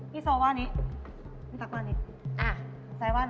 พี่ซอว์ว่าอันนี้คุณตั๊กว่าอันนี้ซายว่าไหน